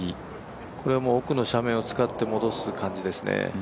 これも奥の斜面を使って戻す感じですね。